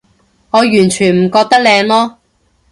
我完全唔覺得靚囉